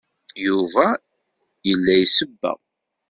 Yuba yella isebbeɣ.